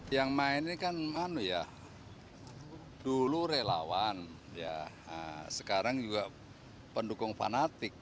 yang main ini kan dulu relawan sekarang juga pendukung fanatik